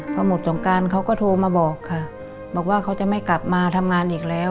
พอหมดสงการเขาก็โทรมาบอกค่ะบอกว่าเขาจะไม่กลับมาทำงานอีกแล้ว